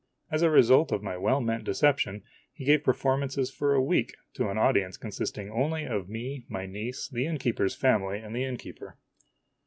As a result of my well meant deception, he gave performances for a week to an audience consisting only of me, my niece, the innkeeper's family, and the innkeeper.